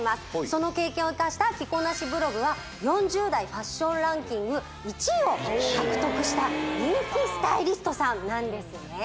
その経験を生かした着こなしブログは４０代ファッションランキング１位を獲得した人気スタイリストさんなんですね